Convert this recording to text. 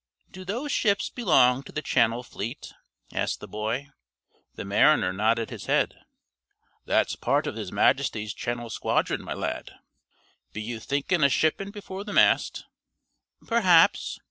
"Do those ships belong to the Channel Fleet?" asked the boy. The mariner nodded his head. "That's part of his Majesty's Channel Squadron, my lad. Be you thinkin' of shippin' before the mast?" "Perhaps.